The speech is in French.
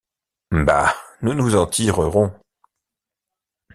Bah! nous nous en tirerons.